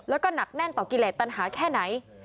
แล้วก็หนักแน่นต่อกิเลสตัญหาแค่ไหน